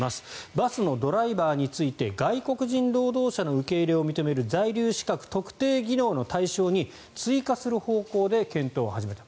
バスのドライバーについて外国人労働者の受け入れを認める在留資格、特定技能の対象に追加する方向で検討を始めた。